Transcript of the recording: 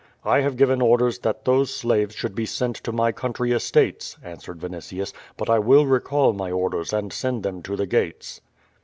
"I have given orders that those slaves should be sent to my country estates," answered Vinitius, "but I will recall my orders and send them to the gates."